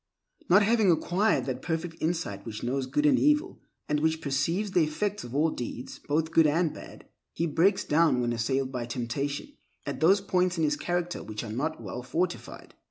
Not having acquired that perfect insight which knows good and evil and which perceives the effects of all deeds both good and bad, he breaks down when assailed by temptation at those points in his character which are not well fortified.